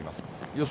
予想